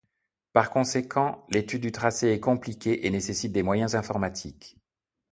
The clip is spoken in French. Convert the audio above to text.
Par conséquent, l'étude du tracé est compliquée et nécessite des moyens informatiques.